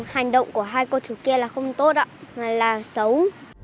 hành động của hai cô chú kia là không tốt ạ mà là xấu